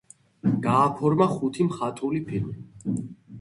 გააფორმა ხუთი მხატვრული ფილმი.